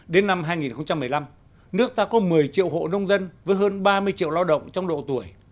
đến năm hai nghìn một mươi năm nước ta có một mươi triệu hộ nông dân với hơn ba mươi triệu lao động trong độ tuổi